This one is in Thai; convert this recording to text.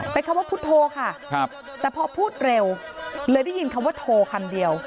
เป็นคำว่าพุทธโธค่ะแต่พอพูดเร็วเลยได้ยินคำว่าโทรคำเดียว